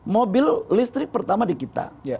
mobil listrik pertama di kita